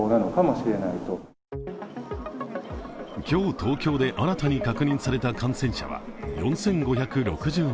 今日、東京で新たに確認された感染者は４５６２人。